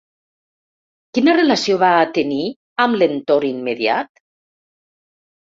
Quina relació va a tenir amb l’entorn immediat?